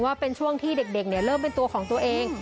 ว่าเป็นช่วงที่เด็กเริ่มเป็นตัวของตัวเอง